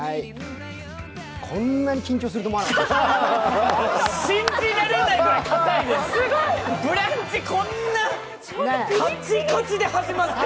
こんなに緊張すると思わなかった。